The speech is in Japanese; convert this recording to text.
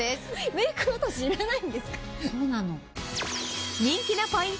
メイク落としいらないんですか？